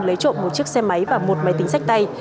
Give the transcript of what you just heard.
lấy trộm một chiếc xe máy và một máy tính sách tay